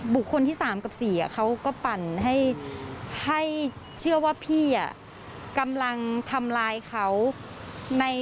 บุคคลที่๓กับ๔เขาก็ปั่นให้เชื่อว่าพี่กำลังทำลายเขา